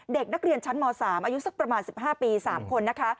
เด็กนักเรียนชั้นม๓อายุสักประมาณ๑๕ปี๓คนนะคะ